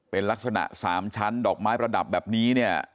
เป็นลักษณะ๓ชั้นดอกไม้ประดับแบบนี้เนี่ย